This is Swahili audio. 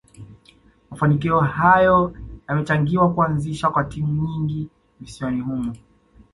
Mafanikio hayo yamechangia kuazishwa kwa timu nyingi visiwani humo